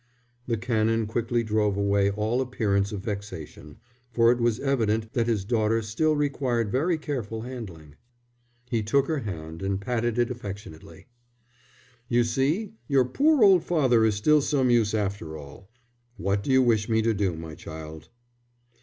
The Canon quickly drove away all appearance of vexation, for it was evident that his daughter still required very careful handling. He took her hand and patted it affectionately. "You see, your poor old father is still some use after all. What do you wish me to do, my child?"